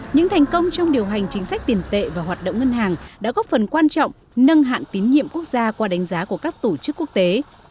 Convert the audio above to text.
những thành công trong điều hành chính sách tiền tệ và hoạt động ngân hàng đã góp phần quan trọng nâng hạn tín nhiệm quốc gia qua đánh giá của các tổ chức quốc tế